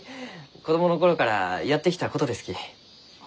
子供の頃からやってきたことですき。